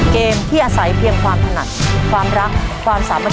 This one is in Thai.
เกมที่อาศัยเพียงความถนัดความรักความสามัคคี